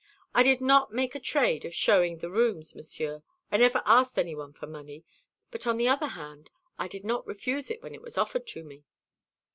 I did not make a trade of showing the rooms, Monsieur; I never asked any one for money, but on the other hand I did not refuse it when it was offered to me.